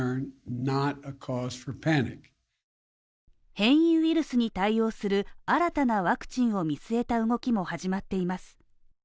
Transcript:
変異ウイルスに対応する新たなワクチンを見据えた動きも始まっています。